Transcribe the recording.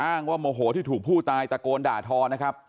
อ้างว่าโมโหที่ถูกผู้ตายตะโกนด่าทอนะครับ